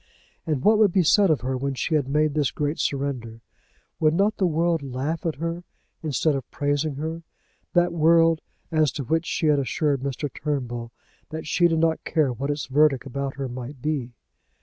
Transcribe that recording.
And what would be said of her when she had made this great surrender? Would not the world laugh at her instead of praising her, that world as to which she had assured Mr. Turnbull that she did not care what its verdict about her might be?